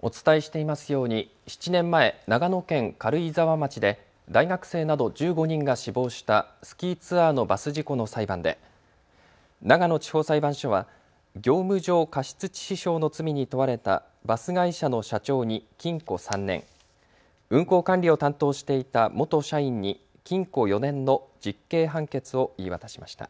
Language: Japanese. お伝えしていますように７年前、長野県軽井沢町で大学生など１５人が死亡したスキーツアーのバス事故の裁判で長野地方裁判所は業務上過失致死傷の罪に問われたバス会社の社長に禁錮３年、運行管理を担当していた元社員に禁錮４年の実刑判決を言い渡しました。